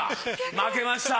負けました。